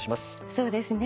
そうですね。